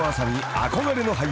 憧れの俳優］